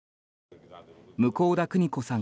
向田邦子さん